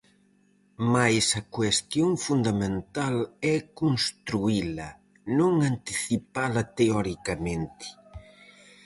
Mais a cuestión fundamental é construíla, non anticipala teoricamente.